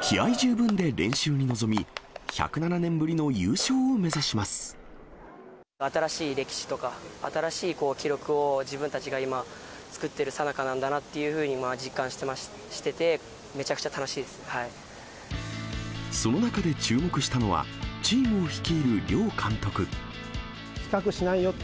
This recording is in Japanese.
気合い十分で練習に臨み、新しい歴史とか、新しい記録を自分たちが今、作っているさなかなんだなっていうふうに実感してて、めちゃくちその中で注目したのは、比較しないよって。